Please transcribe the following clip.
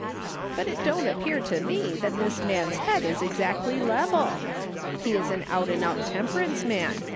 " But it don't appear to me that this man'.s head is exactly level. He is an out and out temperance man.